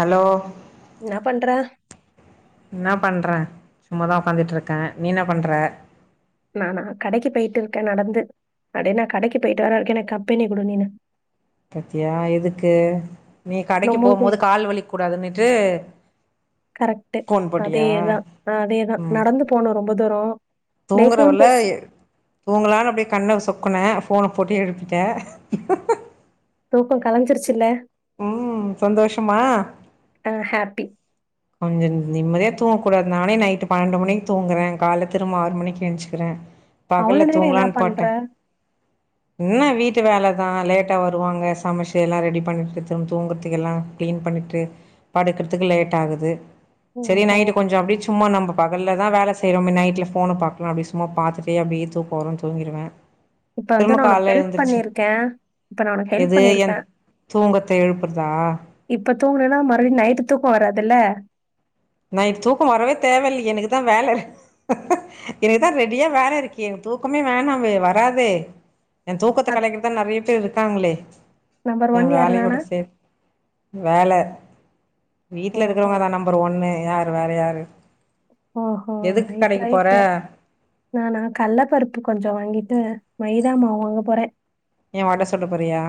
Hello என்ன பண்ற? என்ன பண்றன் சும்மாதான் உட்காந்துட்டு இருக்கேன் நீ என்ன பண்ற? நானா கடைக்கு போயிட்டு இருக்கேன் நடந்து அடே நான் கடைக்கு போயிட்டு வர வரைக்கும் எனக்கு கம்பெனி குடு நீனு. பத்தியா எதுக்கு நீ கடைக்கு போகும் ரொம்பவே போது கால் வலிக்கூடாதுன்னுட்டு கரெக்ட் அதேதான் அதேதான் ம் நடந்து போனும் ரொம்ப தூரம். டே ஃபோன் தூங்குறவல்ல பேசி தூங்கலான்னு அப்டே கண்ண சொக்குனேன் ஃபோன போட்டு எழுப்பிட்டே. தூக்கம் கலஞ்சிருச்சுல்ல ம் சந்தோஷமா? ஆ ஹாப்பி கொஞ்சோ நிம்மதியா தூங்கக்கூடாது நானே நைட்டு பன்னெண்டு மணிக்கு தூங்குற கால்ல திரும்ப ஆறு மணிக்கு ஏஞ்சுக்கிறேன் பகல்ல அவ்வளவு நேரம் என்ன தூங்கலான்னு பண்ற பாட்டேன் என்ன வீட்டு வேலதான் லேட்டா வருவாங்க சமைச்சு எல்லாம் ரெடி பண்ணிட்டு தூங் தூங்குறதுக்கு எல்லாம் கிளீன் பண்ணிட்டு படுக்குறதுக்கு லேட் ஆகுது சரி ஓஹோ நைட்டு கொஞ்சம் அப்டியே சும்மா நம்ம பகல்ல தான் வேலை செய்றோமே நைட்ல ஃபோனு பாக்கலாம் அப்டி சும்ம பாத்துட்டே அப்டியே தூக்கம் வரும் தூங்கிருவேன் இப்ப வந்து நான் உனக்கு ஹெல்ப் பண்ணிருக்கேன் இப்ப நான் உனக்கு ஹெல்ப் பண்ணிருக்கேன் தூங்கத்தை எழுப்புறதா இப்ப தூங்கனனா மறுபடியும் நைட்டுதூக்கம் வராதுல்ல நைட் தூக்கம் வரவே தேவ இலலையே எனக்கு தான் வேல எனக்குதான் ரெடியா வேல இருக்கே தூக்கமே வேணாமே வராதே என் தூக்கத்தை அத் கலக்கிறது தான் நிறைய பேர் இருக்காங்களே நம்பர் ஒன் என் யாரு வேலை ஓட நானா சே வேல வீட்ல ஓஹோ இருக்கிறவங்க தான் நம்பர் ஒன்னு யாரு வேற யாரு ஓஹோ எதுக்கு ரைட் கடைக்கு போற ரைட்டு நாநா கள்ள பருப்பு கொஞ்சம் வாங்கிட்டு மைதா மாவு வாங்க போறேன் ஏன் வாட சுட போறியா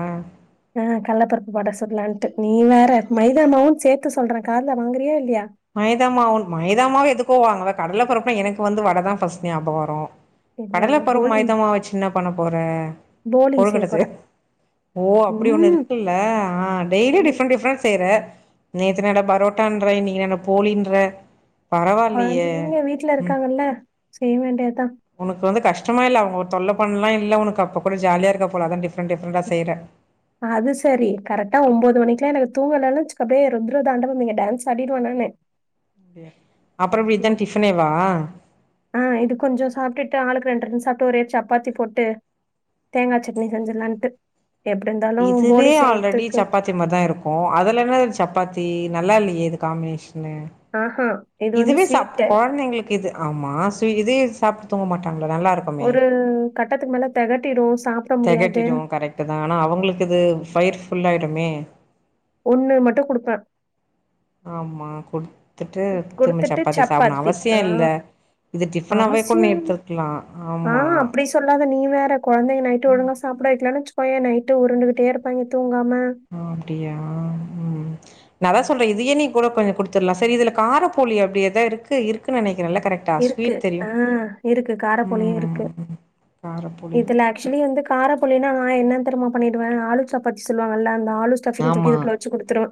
ஆ கள்ளப்பருப்பு வட சுடல்லான்ட்டு நீ வேற மைதாமாவும் சேர்த்து சொல்றேன் காதுல வாங்குறியா இல்லையா மைதாமாவும் மைதாமாவ எதுக்கோ வாங்கற கடல பறப்ப எனக்கு வந்து வடை தான் ஃபஸ்ட் ஞாபக வரும் இல்ல கடலை இல்ல பருப் போளி மைதாமாவு வச்சு என்ன பண்ண போற போளி கொழுக்கட்ட செய்ய போறேன். ஓ அப்டி ஒண்ணு ம். இருக்குல்ல ஆ டெய்லி ம். டிஃப்ரெண்ட் டிஃப்ரெண்ட் செய்ற நேத்தனடானா பரோட்டான்ற இன்னிக்கி என்னனா போலின்ற பரவால்லியே கொழந்தைங்க வீட்ல ம் இருக்காங்கல்ல செய்ய வேண்டியதான் உனக்கு வந்து கஷ்டமா இல்ல‌அவங்க தொல்ல பண்ணலாம் இல்ல உனக்கு அப்ப கூட ஜாலிய இருக்க போல அதான் டிஃப்ரண்ட் டிஃப்ரெண்டா செய்ற அது சேரி கரெக்டா ஒன்பது மணிக்கல்லாம் எனக்கு தூங்கலன்னு வச்சுக்க அப்டியே ருத்ரதாண்டவ நீங்க டான்ஸ் ஆடிடுவானுன்னே டிய அப்பறம் இதான் டிஃபனேவா ஆ இது கொஞ்சோ சாட்டுட்டு ஆளுக்கு ரெண்டு ரெண்டு சாப்ட்டு ஒரே சப்பாத்தி போட்டு தேங்காய் சட்னி செஞ்சிறலான்ட்டு எப்டி இருந்தாலும் போடி செய்றதுக்கு த்தி மாரி தான் இருக்கும் அதல என்ன சப்பாத்தி நல்லா இல்லையே இது காம்பினேஷன்னு ஆஹ இதுவே சா கொழந்தைங்ளுக்கு இது ஆமா ஸ் இது சாப்டு தூங்க மாட்டாங்ளா நல்லா இருக்கு ஒரு கட்டத்துக்கு மேல தெகட்டிடு சாப்ட முடியாது கரைக்ட்டு தா ஆனா அவங்ளுக்கு இது ஃபயர் ஃபுல் ஆயுடுமே ஒண்ணு மட்டு குடுப்பே ஆமா குடுத்துட்டு திரும்ப குடுத்துட்டு சப்பாத்தி சாப்புட்னு அவசியோ ஆ இல்ல இது டிஃபனாவே கூட நீ அவசியம் எடுத்திர்க்லா ஆ ஆமா அப்படி சொல்லாத நீ வேற கொழந்தைங்க நைட்டு ஒழுங்கா சாப்ட வைக்லனாவச்சுக்கோயே நைட்டு உருண்டு கிட்டே இருப்பாங்க தூங்காம அப்டியா ம் நா அதா சொல்றே இதையே நீ கூட கொஞ்ச குடுத்துட்லா சரி இதுல கார போலி அப்டி ஏதா இருக்கு இருக்குன்னு நெனைக்கிற கரெக்ட் இருக்கு அ இருக்கு காரப் போலியு இருக்கு ம் காரப்போலி இதுல ஆக்சுவலி வந்து காரப்போல்லினா நா என்ன தெர்மா பண்ணிடுவே ஆளு சாப்பாத்தி சொல்லுவாங்கல்ல அந்த ஆளு சப்பாத்தி தூக்கி ஆமா இதுல‌வச்சி குடுத்துருவே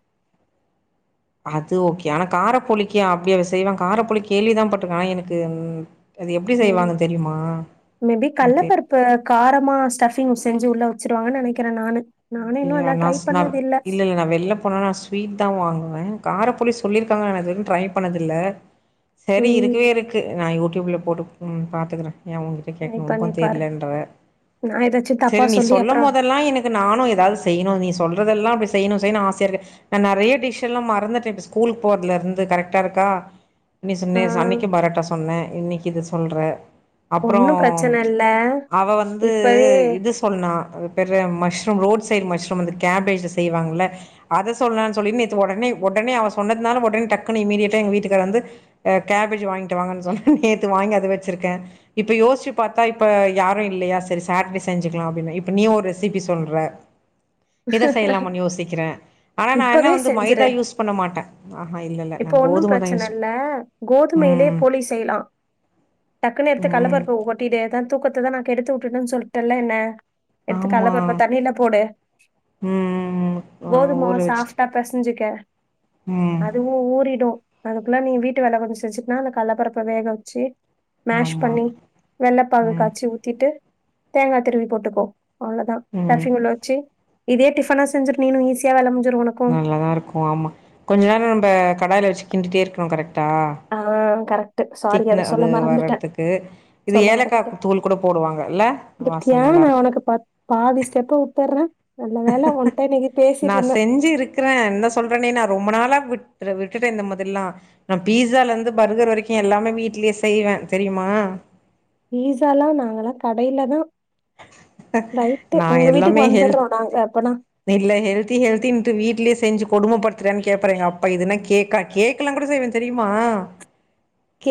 அது ஓகே ஆனா காரப்போலிக்க அப்டிய செய்வ காரப்போலி கேள்விதா பட்ருக்க ஆனா எனக்கு அது எப்டி ம். செய்வாங்க தெரியுமா ம் தெரி இப்போ காரமா ஸ்டஃபிங் செஞ்சு உள்ளே வச்சுரூவாங்கனு நெனைக்கிறே நானு நானும் இன்னும் அப்டியா அதான் ட்ரை நஸ் நா பண்ணது இல்ல இல்ல நா வெள்ள போனா நா ஸ்வீட்தா வாங்குவே காரபோலி சொல்லிருக்காங்க நா இதவரைக்கு ட்ரை பண்ணதில்ல சரி இருக்கவே ம். இருக்கு நா யூடியூப்ல போட்டு பாத்துக்குறே ஏ உங்கிட்ட ட்ரை கேட்கணு பண்ணி உனக்கு பாரு. தெரியலன்ற நான் ஏதாச்சும் தப்பா சரி நீ சொல்லி சொல்ல அப்புறம் மோதெல்லா எனக்கு நானு ஏதாவது செய்யணு நீ சொல்றதெல்லா அப்டி செய்ணு செய்ணு ஆசையார்க்கு நா நறைய டிஷ்ஷெல்லா மறந்துட்டே இப்ப ஸ்கூலுக்கு போறதுல இருந்து கரெக்டா இருக்கா நீ சுன்னே ஆ. அன்னைக்கு பரோட்டா சொன்ன இன்னைக்கு இத சொல்ற அப்றோ ஒண்ணும் பிரச்சனை இல்ல. அவ வந்து இப்பவே இது சொன்னா அது பேரு mushroom road side mushroom வந்து கேபேஜ்ல செய்வாங்கள்ல அத சொல்லானு சொல்லி நேத்து ஒடனே ஒடனே அவ சொன்னத்னால ஒடனே டக்குனுு இமீடியட்டா எங்க வீட்டுக்காரு வந்து எ கேபேஜ் வாங்கிட்டு வாங்கன்னு சொன்னா நேத்து வாங்கி அத வச்சிருக்கே இப்ப யோசிச்சி பாத்தா இப்ப யாரு இல்லியா சேரி சாட்டடே செஞ்சிக்லா அப்டின்னு இப்ப நீ ஒரு ரெசிபி சொல்ற இத செய்லாமான் யோசிக்ற ஆனா நா என்ன இப்பவே வந்து செஞ்சுரு. மைதா யூஸ் பண்ணமாட்டே இப்ப ஒன்னு பிரச்சனல்ல கோதுமையிலே ம் போலி செய்லா டக்குன்னு எடுத்து ம் கல்லபருப்ப கொட்டிடு அத தூக்கத்ததா நா கெடுத்துவுட்டுடன்னு சொல்ட்டல்ல என்ன எடுத்து ஆமா கடலப்பருப்ப ம் ம் ஆ கோதுமாவ ஊற வச்சுட்டு சாஃப்டா பெசஞ்சிக்க ம் அதுவு ஊ ஊறிடு அதுக்குல்லா நீ வீட்டு வேல கொஞ்சோ செஞ்சிட்னா அந்த கல்லபருப்ப வேக வச்சி மேஷ் ஆமா பண்ணி வெள்ளப்பாகு ம் காச்சி ஊத்திட்டு தேங்கா திருவி போட்டுக்கோ அவ்ளோதா ம் ஸ்டஃபிங் உள்ள வச்சி இதே டிஃபனா செஞ்சிடு நீனு ஈஸியா வேல முஞ்சிரு ஒன நல்லாதா இருக்கு ஆமா கொஞ்சோ நேரோ நம்ம கடாயில வச்சி கிண்டிட்டே இருக்கணு கரக்ட்டா ஆ கரக் திக்ன அது வரத்துக்கு இது ஏலக்கா தூள் கூட போடுவாங்க இல்ல இந்த வாசன நல்லா தியனா இருக்கு உனக்கு பா பாதி ஸ்டெப்பு உட்டர்றே நல்ல வேல ஒன்ட்ட இன்னிக்கு பேசிட்ருந்தே க்கிறே என்ன சொல்றேனே நா ரொம்பநாளா விட்ர விட்டுட்டே இந்தமாதிரில்லா நா பீஸால இருந்து பர்கர் வரைக்கு எல்லாமே வீட்லியே செய்வே தெரியுமா பீஸாலா நாங்கல்லா கடையிலதா ரைட்டு நா உங்க வீட்டுக்கு எல்லாமே ஹெல்த் வந்தற்றோ நாங்க அப்பனா இல்ல ஹெல்தி ஹெல்த்தின்ட்டு வீட்லியே செஞ்சி கொடுமபடுத்தறனு கேப்பாரு எங்க அப்பா இதுன கேக்கா கேக்கலா கூட செய்வே தெரியுமா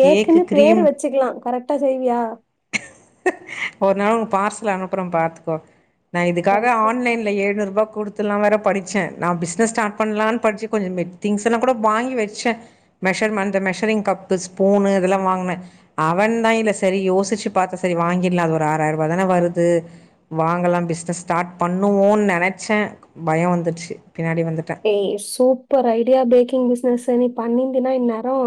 கேக்கு பேரு கிரீம் வச்சிக்லா கரக்டா செய்வியா ஒரு நாள் உனுக்கு பார்சல் அனுப்ற பாத்துக்கோ நா இதுகாக ரைட்டு ஆன்லைன் ல்ல எழுநூறு ரூபா குடுத்துலா வேற படிச்சே நா பிஸ்னஸ் ஸ்டார்ட் பண்லான் படிச்சி கொஞ்சம திங்ஸ் இத்தனா கூட வாங்கி வெச்சே மெஷர்மெண்ட் மெஷரிங் கப்பு ஸ்பூனு இதெல்லா வாங்னே அவன் தா இல்ல சரி யோசிச்சி பாத்தா சரி வாங்கிலா அது ஒரு ஆறாயிரூவா தான வருது து வாங்கலா பிஸ்னஸ் ஸ்டார்ட் பண்ணுவோன் நெனைச்சே பயொ வந்துருச்சி பின்னாடி வந்துட்டே ஏய் சூப்பர் ஐடியா பேக்கிங் பிஸ்னஸ் நீ பண்ணிந்தீனா இந்நேரோ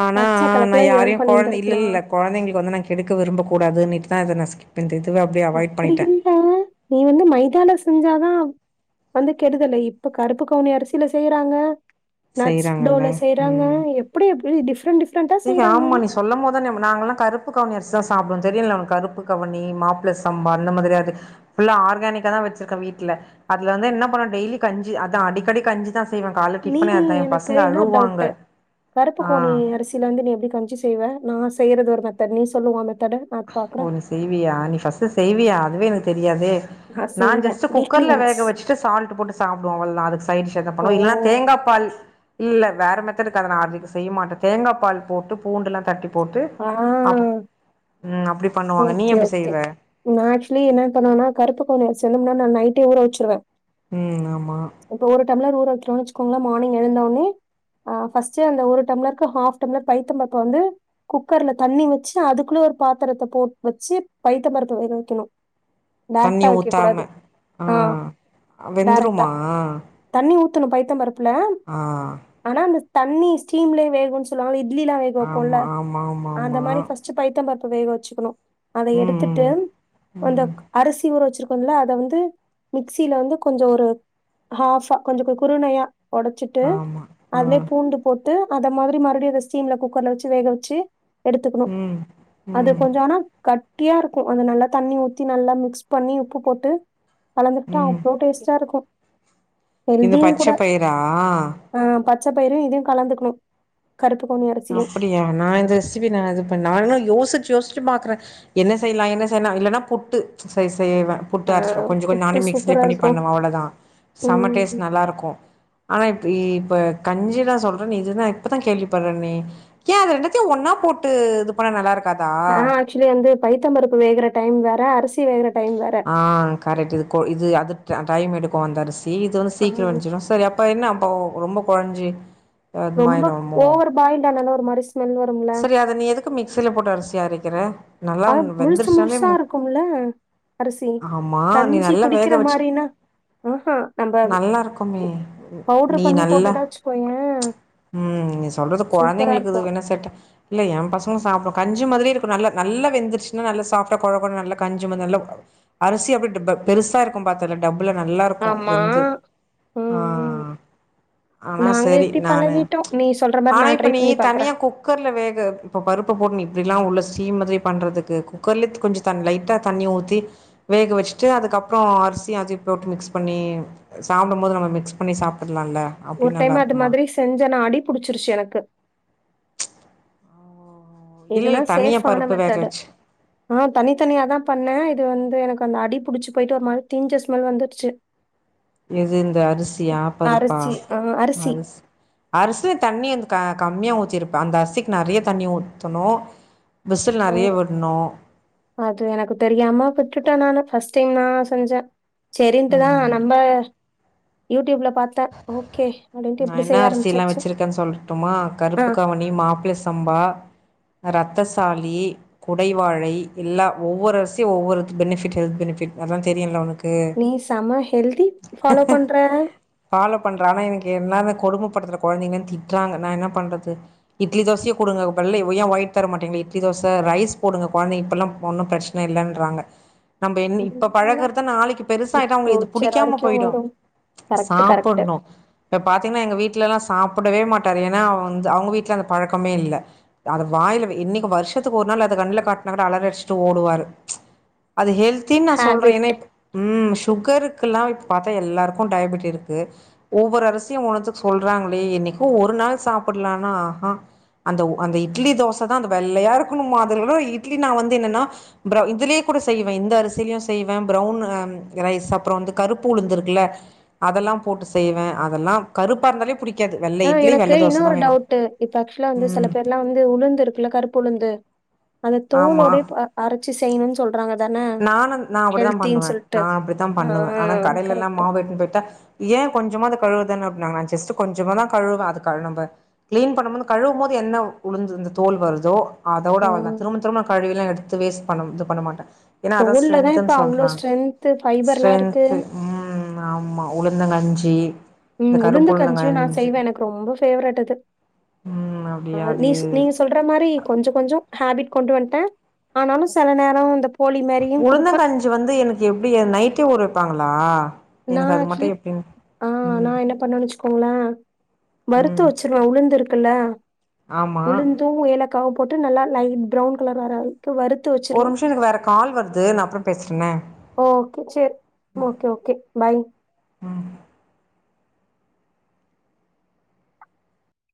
ஆனா லட்ச நா கணக்குல யாரையு ஏர்ன் கொழந்த இல்ல பண்ணியிருந்திருக்கலா இல்ல கொழந்தைங்களுக்கு வந்து நா கெடுக்க விரும்ப கூடாதுன்னிட்டு தா அத ஸ்கிப்பன்துவே அப்டியே அவாய்ட் பண்ணிடே ட் ஆ நீ வந்து மைதால செஞ்சாதா வந்து கெடுதலு இப்ப கருப்பு கவுனி அரிசில செய்யறாங்க நட்ஸ் செய்றாங்கல்ல டோல செய்யறாங்க எப்டி எப்டி டிஃப்ரெண்ட் டிஃப் து ஆமா நீசொ சொல்லம் போதா ஞாப நாங்கல்லா கருப்பு கவனி அரிசிதா சாப்டுவோ தெரியுல ஒனக்கு கருப்பு கவுனி மாப்ள சம்பா அந்த மாதிரியாது ஃபுல்லா ஆர்கானிக்கா தா வச்சிருக்கன் வீட்டுல அதுல வந்து என்ன பண்ணு டெய்லி கஞ்சி அதா அடிக்கடி கஞ்சி தா செய்வே கால்ல நீ டிஃபனே அதா எ எனக்கு பசங்க இன்னொரு டவுட்டு அழுவாங்க ஆ கருப்புகவுணி அரிசி லருந்து நீ எப்டி கஞ்சி செய்வ நா செய்யறது ஒரு மெத்தேடு நீ சொல்லு ஒ மெத்தேட ஓ நீ செய்வியா நீ ஃபஸ்டு செய்வியா அதுவே எனக்கு தெரியாதே நான் நா செய்வேன். ஜஸ்ட் வீக்லி குக்கர்ல ஒன்ஸ். வேக வச்சுட்டு சால்ட் போட்டு சாப்டுவ அவ்ளதா அது சைடுஸ் எதா ஓ! பண்ணுவ இல்லனா த தேங்கா பால் இல்ல வேற மேத்தேடு கத நா ஆர செய்ய மாட்டே தேங்காபால் போட்டு பூண்டெல்லா தட்டி போட்டு ஆ. அப் ம் அப்டி பண்ணுவாங்க நீ எப்டி செய்வ நா ஆக்சுலி என்ன பண்ணுவனா கருப்புக்கவுனி அரிசி வந்து முன்னனால் நைட்டே ஊற வச்சிருவே ம் ஆமா இப்ப ஒரு டம்ளர் ஊறவைக்ரோன்னு வச்சிகோங்கள மானிங் எழுந்தோனே ஆ ஃபஸ்டு அந்த ஒரு டம்ளருக்கு ஹாவ் டம்ளர் பய்தம்பருப்ப வந்து குக்கர்ல தண்ணி வச்சி அதுக்குள்ள ஒரு பாத்திரதபோட் வச்சி பைய்த பருப்ப வேக வைக்கணு தண்ணி டேரக்டா வெக்க கூடாது ஊத்தாம ஆ டேரக்டா வெந்துருமா தண்ணி ஊத்துணு பைய்த்த பருப்புல ஆ ஆனா அந்த தண்ணி ஸ்டீம்லயே வேகுன் சொல்வாங்கல்ல இட்லிலா வேகு ஆமா ஆமா ஆமா அந்த ஆமா மாரி ஃபஸ்டு பய்த்தம் பருப்ப வேக வச்சுகணு அத எடுத்துட்டு ம் ம் அந்த ம் க் அரிசி ஊற வச்சிருக் கோல அத வந்து மிக்சியில வந்து கொஞ்ச ஒரு ஹாவ்வா கொஞ்ச குறுணையா ஒடச்சிட்டு ஆமா ஆ அதுலே பூண்டுப் போட்டு அத மாதிரி மறுபடியும் அத ஸ்டீம்ல குக்கர்ல வச்சி வேக வச்சி எடுத்துக்குணு ம் அது ம் கொஞ்சொ ஆனா கட்டியா இருக்கூ அத நல்லா தண்ணி ஊத்தி நல்லா மிக்ஸ் பண்ணி உப்பு போட்டு கலந்துவிட்டா ம் அவ்ளோ டேஸ்ட்டா இருக்கூ இந்த ஹெல்தியு பச்ச கூட பயிரா ஆ பச்ச பயிரு இதயு கலந்துகுணு கருப்புகவுனி அரிசியு அப்டியா நா இந்த ரெசிபி நா இது பண்ல நா யோசிச்சி யோசிச்சி பாக்ற என்ன செய்லா என்ன செய்லா இல்லனா புட்டு செய் செய்வ ஆ புட்டு அரச்சுவோ கொஞ்ச கொஞ்ச புட்டு நானும் மிக்ஸிலே சூப்பரா பண்ணி இருக்கும். பண்ணுவ அவ்ளதா சம ம். டேஸ்ட் நல்லாயிருக்கும் ஆனா இப்ப இப்ப கஞ்சி தா சொல்ற இது தா இப்பதா கேள்விப்பட்ற நீ ஏ அது ரெண்டத்தையும் ஒன்னா போட்டு இது பண்ணா நல்லா இருக்காதா ஆக்சுலி வந்து பைய்த்தம்பருப்பு வேகுற டைம் வேற அரிசி வேகுற டைம் வேற ஆ கரெக்ட் இது இது அது டைம் எடுக்கும் அந்த அரிசி இது வந்து ஆ சீக்கிரம் வஞசிடும் சரி அப் அப்ப என்ன அப்ப ரொம்ப கொழஞ்சி ரொம்ப ஓவர் பாயில்ட் ஆனவுன ஒரு மாரி ஸ்மல் வரு சரி அத நீ எதுக்கு மிக்சில போட்டு அரிசி அரக்கற நல்லா ஆனா முழுசு வெந்துருச்சானாலே முழுசா இருக்கும்ல அரிசி. ஆமா நீ கஞ்சி நல்லா குடிக்கிற வேக வச்சி மாரின்னா ஆஹா நம்ப நல்லாருக்குமே பவுடர் நீ பண்ணி நல்லா போட்டுட்டா வச்சுக்கோயேன் உம் நீ சொல்றது சூப்பரா கொழந்தைங்களுக்கு இது இருக்கும். வேணா செட்டா இல்ல ஏ பசங்க சாப்புடு கஞ்சி மாதிரி இருக்கு நல்ல நல்லா வெந்துருச்சினா நல்லா சாஃப்டா கொழகொழ நல்லா கஞ்சு மாரி நல்லா அரசி அப்டி டிப்பா பெருசா இருக் கும் பாத்தல டப்புல நல்லா இருக்கும் ஆமா. வெந்து ஆ ம், ம். ஆனா நாங்க சரி இப்டி நானு பழகிட்டோம். நீ சொல்ற மாரி ஆனா நான் இப்ப ட்ரை நீ பண்ணி பாக்குறேன். தனியா குக் குக்கர்ல வேக இப்போ பருப்ப போட்டு நீ இப்டிலா உள்ள சீம் மாரி பண்றதுக்கு குக்கர்லே கொஞ்ச தன் லைட்டா தண்ணி ஊத்தி வேக வச்சுட்டு அதுக்கப்பறம் அரிசியு அதயும் போட்டு மிக்ஸ் பண்ணி சாப்டும் போது நம்ம மிக்ஸ் பண்ணி சாப்டுல்லா இல்ல ஒரு டைம் அது மாரி செஞ்சனா அடி புடிச்சிருச்சி எனக்கு இல்ல இதுனா இல்ல தனியா சேஃவ்வான பருப்பு வேக மெத்தடு வச்சு ஆ தனி தனியா தா பண்ண இது வந்து எனக்கு அந்த அடி புடிச்சு போயிட்டு ஒரு மாரி தீஞ்ச ஸ்மெல் வந்துடுச்சு எது இந்த அரிசியா பருப்பா அரிசி ஆ அரிசி அரிசில தண்ணி க கம்மியா ஊத்திருப்ப அந்த அரிசிக்கு நறைய தண்ணி ஊத்தணு விசில் ஓ! நறைய விட்ணு அது எனக்கு தெரியா விட்டுட்ட நானு ஃபஸ்ட் டைம் நா செஞ்ச சரின்ட்டுதா நம்ம யூ டியூப்ல பா்த்து நா இனா அரிசில்லாம் வச்சிருக்க சொல்லட்டுமா ஆ கருப்புக்கவுணி மாப்பள சம்பா ரத்தசாலி குடைவாழை எல்லா ஒவ்வொரு அரிசியு ஒவ்வொரு பெனிபிட் ஹெல்த் பெனிபிட் அதா தெரியுல்ல உனக்கு நீ சம ஹெல்தி ஃபாலோ பண்ற ஃபாலோ பண்ற ஆனா எனக்கு என்னான கொடுமபடுதுற கொழந்தைங்கன் திட்டுறாங்க நா இனா பண்றது இட்லி தோசயே குடுங்க இப்ப கட்ல ஏ வாய்த்தரமாட்டீங்க இட்லி தோச ரைஸ் போடுங்க கொழந்த இப்பெல்லா ஒன்னு பிரச்ச னல்லன்றாங்க நம்ம என்னி இப்ப இல்லல்ல பழகறத நாளைக்கு பெருசா ஆயிட்டா அவங்களுக்கு இது ஃபியூச்சர் புடிக்காம வரைக்கும் போயிடும் வரும். Correct correct. ஒண்ணு இப்ப பாத்தீங்கன்னா எங்க வீட்லல்லாம் சாப்டவே மாட்டாரு ஏன்னா அவ வந்து அவங்க வீட்ல அந்த பழக்கமே இல்ல அது வாயில வை இன்னிக்கு வருஷத்துக்கு ஒரு நாள் அத கண்ணுல காட்டினா கூட அலர அடிச்சுட்டு ஓடுவாரு அது ஹெல்த்தின்னு நா சொல்ற ஹேபிட். ம் சுகருக்குல்லாம் பத்தா எல்லாருக்கும் டயபெட்டி இருக்கு ஒவ்வொரு அரசியும் ஒனுதுக்கு சொல்றாங்களே என்னிக்கோ ஒரு நாள் சாப்பலானா ஆஹான் அந்த அந்த இட்லி தோச தா அந்த வெள்ளையாருக்குன்மா அதுல தா இட்லி நான் வந்து என்னன்னா இதுலயே கூட செய்வேன் இந்த அரிசிலயும் செய்வேன் பிரவுன் ரைஸ் அப்றம் வந்து கருப்பு உளுந்துருக்குல அதல்லாம் போட்டு செய்வேன் அதல்லாம் கருப்பா இருந்தாலே புடிக்காது ஆ வெள்ள இட்லி எனக்கு வெள்ள தோச தா இன்னொர் வேணு டவுட் இப்ப ஆக்சுவலா வந்து சில ம் பேர்லாம் வந்து உளுந்து இருக்குல கருப்பு உழுந்து அந்த ஆமா தோலோடயே ப அரைச் சு செய்ணுன்னு சொல்றாங்கதான நானு நா அப்டிதா ஹெல்தின்னு பண்ணுவே சொல்ட்டு நா அப்டித்தா அ பண்ணுவே ஆனா ஹ கடைலலா கரெக்ட்டு [unintelligible] ஏ கொஞ்சமா அத கழுவுதானு அப்பட்னாங்க நா ஜஸ்ட் கொஞ்சமா தா கழுவுவே அது கழுவ்னம்ப கிளீன் பண்ணும் போது கழுவும்போது என்ன உளுந்து இந்த தோல் வருதோ அதோட ஆ அவ்ளோ தா திரும்ப திரும்ப நா கழுவி எல்லா எடுத்து வேஸ்ட் பண்ண இது பண்ண மாட்டே ஏன்னா அதா தோல்ல தான் இப்ப ஸ்ட்ரென்த்துன் அவ்ளோ சொல்றாங்க ஸ்ட்ரென்த்து ஃபைபர்லாம் இருக்கு. ஸ்ட்ரென்த்து ம் ஆமா உளுந்தங்கஞ்சி ம் இந்த உளுந்து கஞ்சியு நா கருப்புளுந்தங்கஞ்சி செய்வே எனக்கு ரொம்ப ஃபேவரட் அது ம் அப்டியா நீ அது நீ சொல்ற மாதிரி கொஞ்சோ கொஞ்சோ ஹேபிட் கொண்டு வந்துட்டே ஆனாலு சில நேரோ இந்தப் உளுந்தங்கஞ்சி வந்து எனக்கு எப்டி நைட்டே ஊர வைப்பாங்களா நா ஆக்சுவலி ஆ நா என்ன பண்னுவேனு வச்சுக்கோங்களே ம் வருத்த வச்சு ருவே உளுந்து இருக்குல்ல ஆமா உளுந்தும் ஏலக்காவு போட்டு நல்லா லைட் ப்ரவுன் கலர் வராது த்து வருத்து வச் ஒரு நிமிஷம் எனக்கு வேறு கால் வருது நா அப்றோ பேசுறனே ஓகே செரி ஓகே ஓகே பாய்